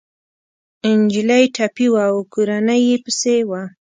انجلۍ ټپي وه او کورنۍ يې پسې وه